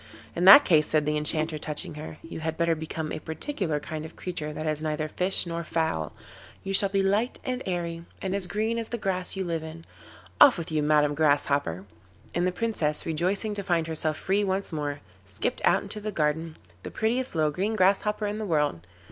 'In that case,' said the Enchanter, touching her, 'you had better become a particular kind of creature that is neither fish nor fowl; you shall be light and airy, and as green as the grass you live in. Off with you, Madam Grasshopper.' And the Princess, rejoicing to find herself free once more, skipped out into the garden, the prettiest little green Grasshopper in the world.